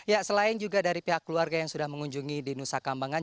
ya selain juga dari pihak keluarga yang sudah mengunjungi di nusa kambangan